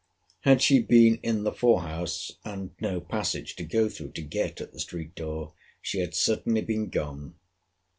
Had she been in the fore house, and no passage to go through to get at the street door, she had certainly been gone.